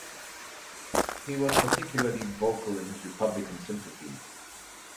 He was particularly vocal in his republican sympathies.